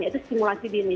yaitu stimulasi dini